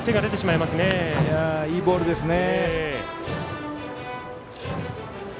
いいボールですね。